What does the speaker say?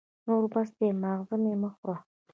نور بس دی ، ماغزه مي مه خوره !